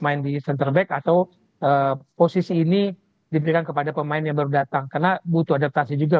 main di center back atau posisi ini diberikan kepada pemain yang baru datang karena butuh adaptasi juga